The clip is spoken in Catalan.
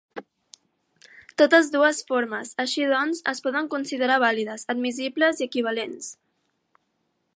Totes dues formes, així doncs, es poden considerar vàlides, admissibles i equivalents.